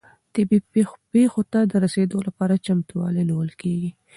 طبیعي پیښو ته د رسیدو لپاره چمتووالی نیول کیږي.